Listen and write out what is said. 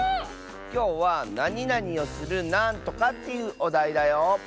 きょうはなになにをするなんとかっていうおだいだよ。